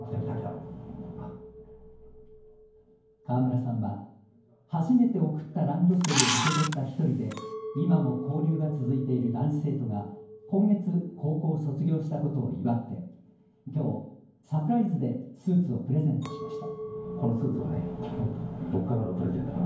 河村さんは、初めて贈ったランドセルを受け取った１人で今も交流が続いている男子生徒が今月高校を卒業したことを祝ってきょうサプライズでスーツをプレゼントしました。